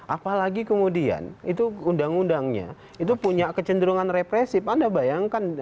apalagi kemudian itu undang undangnya itu punya kecenderungan represif anda bayangkan